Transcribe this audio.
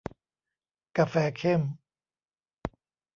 กาแฟเข้ม